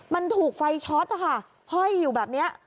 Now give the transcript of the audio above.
มันถูกไฟช็อตอะค่ะเฮ้ยอยู่แบบเนี้ย